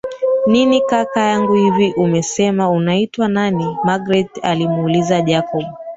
Nini kaka yanguhivi umesema unaitwa nani Magreth alimuuliza Jacob